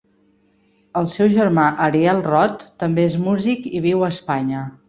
El seu germà Ariel Rot també és músic i viu a Espanya.